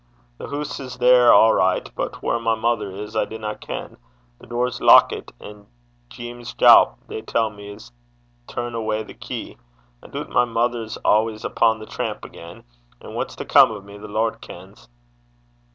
'The hoose is there a' richt, but whaur my mither is I dinna ken. The door's lockit, an' Jeames Jaup, they tell me 's tane awa' the key. I doobt my mither's awa' upo' the tramp again, and what's to come o' me, the Lord kens.'